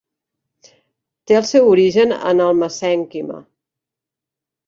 Té el seu origen en el mesènquima.